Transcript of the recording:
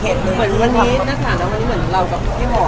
เหมือนวันนี้นักศาลน้ำมันเหมือนเรากับพี่หอม